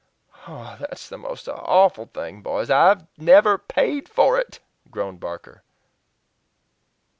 "Ah! that's the most awful thing, boys. I've NEVER PAID FOR IT," groaned Barker.